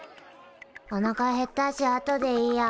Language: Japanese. おなかへったしあとでいいや。